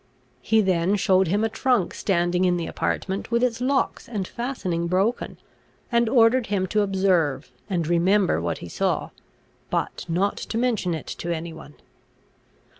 He then showed him a trunk standing in the apartment with its locks and fastening broken, and ordered him to observe and remember what he saw, but not to mention it to any one.